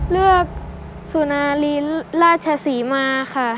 เลือกสุนารีราชสีมาค่ะ